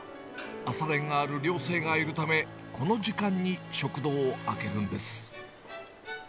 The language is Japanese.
朝練がある寮生がいるため、この時間に食堂を開けるんです。